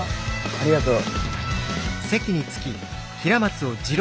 ありがとう。